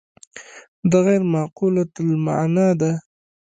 دا غیر معقولة المعنی ده.